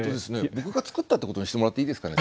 僕が作ったってことにしてもらっていいですかね。